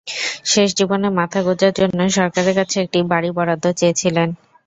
শেষ জীবনে মাথা গোঁজার জন্য সরকারের কাছে একটি বাড়ি বরাদ্দ চেয়েছিলেন।